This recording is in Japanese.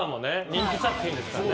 人気作品ですからね。